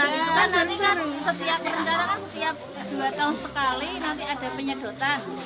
itu kan nanti kan setiap rencana kan setiap dua tahun sekali nanti ada penyedotan